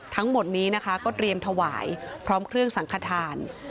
ทั้งหมดนี้นะคะก็เตรียมถวายพร้อมเครื่องสังขทาน